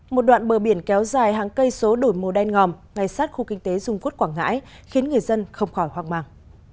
một đoạn bờ biển kéo dài hàng cây số đổi màu đen ngòm ngay sát khu kinh tế dung quốc quảng ngãi khiến người dân không khỏi hoang mang